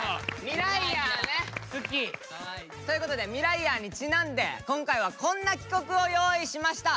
好き。ということで「ミライヤー」にちなんで今回はこんな企画を用意しました。